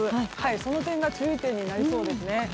その点が注意点になりそうですね。